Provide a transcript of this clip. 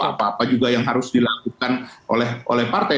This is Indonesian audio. apa apa juga yang harus dilakukan oleh partai